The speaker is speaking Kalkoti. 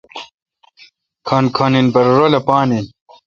کھن گھن این پرہ رلہ پان این